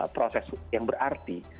proses yang berarti